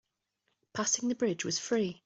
Passing the bridge was free.